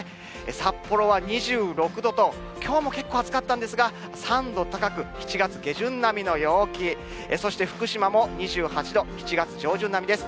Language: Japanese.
札幌は２６度と、きょうも結構暑かったんですが、３度高く、７月下旬並みの陽気、そして福島も２８度、７月上旬並みです。